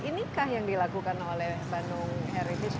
inikah yang dilakukan oleh bandung herities